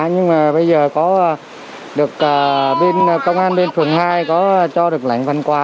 nhưng mà bây giờ có được bên công an bên phường hai có cho được lãnh văn quà